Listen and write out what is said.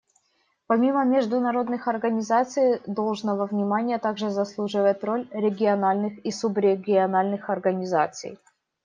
Помимо международных организаций, должного внимания также заслуживает роль региональных и субрегиональных организаций.